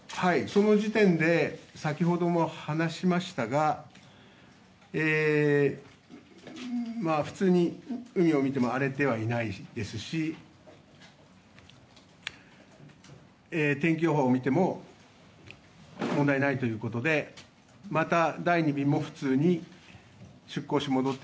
その時点で先ほども話しましたが普通に海を見ても荒れてはいないですし天気予報を見ても問題ないということでまた、第２便も普通に出航し戻っ